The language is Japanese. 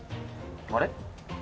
あれ？